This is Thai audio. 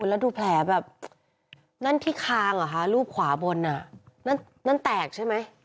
แล้วดูแผลแบบนั่นที่คางเหรอคะรูปขวาบนอ่ะนั่นแตกใช่ไหม